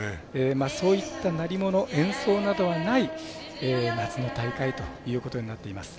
そういった鳴り物、演奏などはない夏の大会ということになっています。